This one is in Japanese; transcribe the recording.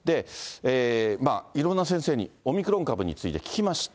いろんな先生にオミクロン株について聞きました。